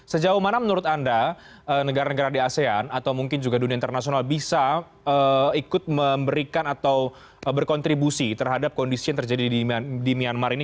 sejauh mana menurut anda negara negara di asean atau mungkin juga dunia internasional bisa ikut memberikan atau berkontribusi terhadap kondisi yang terjadi di myanmar ini